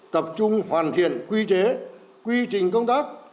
tập trung hoàn thiện quy chế quy trình công tác